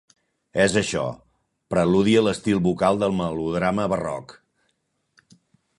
És això, preludia l'estil vocal del melodrama barroc.